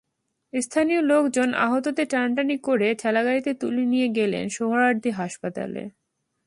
স্থানীয় লোকজন আহতদের টানাটানি করে ঠেলাগাড়িতে তুলে নিয়ে গেলেন সোহরাওয়ার্দী হাসপাতালে।